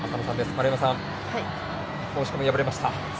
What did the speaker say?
丸山さん、惜しくも敗れました。